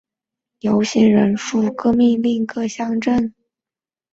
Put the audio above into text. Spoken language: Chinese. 命令各乡镇所有干部守在各路口阻拦市民上镇减少游行人数。